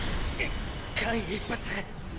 っ⁉間一髪。